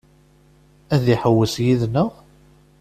Ad iḥewwes yid-neɣ?